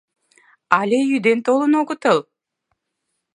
Але ӱден толын огытыл.